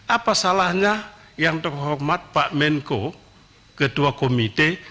apa salahnya yang terhormat pak menko ketua komite